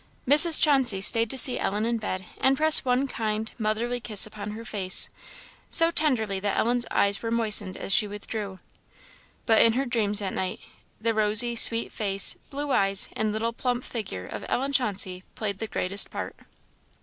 Mrs. Chauncey stayed to see Ellen in bed, and press one kind, motherly kiss upon her face, so tenderly that Ellen's eyes were moistened as she withdrew. But in her dreams that night, the rosy, sweet face, blue eyes, and little plump figure of Ellen Chauncey played the greatest part.